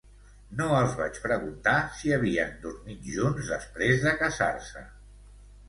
No els vaig preguntar si havien dormit junts després de casar-se .